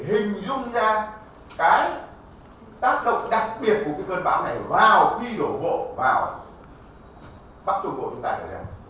để hình dung ra cái tác động đặc biệt của cơn bão này vào quy đổ bộ vào bắc trung cộng trung tài